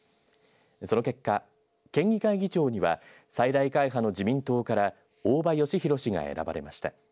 その結果、県議会議長には最大会派の自民党から大場芳博氏が選ばれました。